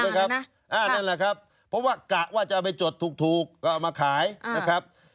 นั่นแหละครับเพราะว่ากะว่าจะเอาไปจดถูกก็เอามาขายนะครับ